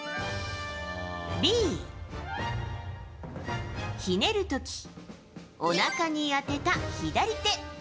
Ｂ、ひねる時おなかに当てた左手。